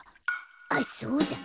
あっそうだ。